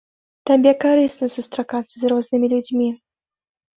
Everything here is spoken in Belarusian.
Табе карысна сустракацца з рознымі людзьмі.